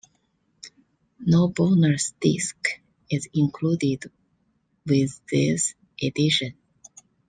No bonus disc is included with this edition.